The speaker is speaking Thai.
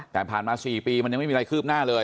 แต่ผ่านมา๔ปีมันยังไม่มีอะไรคืบหน้าเลย